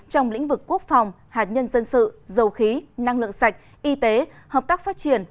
trong lĩnh vực quốc phòng hạt nhân dân sự dầu khí năng lượng sạch y tế hợp tác phát triển